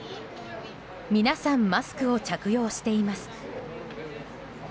皆さんマスクを着用しています。